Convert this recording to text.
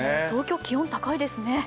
東京、気温高いですね。